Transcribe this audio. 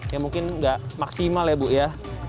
ya mungkin nggak maksimal ya bu ya